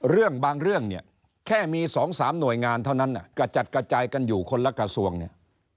เรื่องบางเรื่องเนี่ยแค่มี๒๓หน่วยงานเท่านั้นกระจัดกระจายกันอยู่คนละกระทรวงเนี่ย